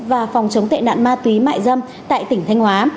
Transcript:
và phòng chống tệ nạn ma túy mại dâm tại tỉnh thanh hóa